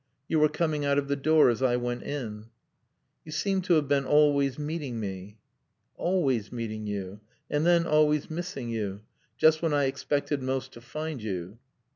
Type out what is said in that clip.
You were coming out of the door as I went in." "You seem to have been always meeting me." "Always meeting you. And then always missing you. Just when I expected most to find you."